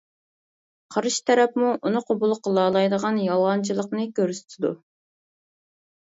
قارشى تەرەپمۇ ئۇنى قوبۇل قىلالايدىغان يالغانچىلىقنى كۆرسىتىدۇ.